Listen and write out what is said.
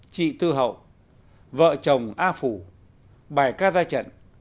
chị tư hậu vợ chồng a phủ bài ca ra trận